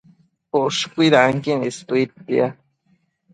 Ushcuidanquin istuidtia